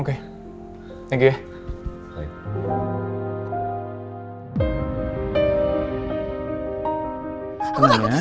aku tak bisa aku tak bisa